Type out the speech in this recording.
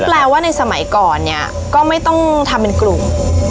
แปลว่าในสมัยก่อนเนี่ยก็ไม่ต้องทำเป็นกลุ่ม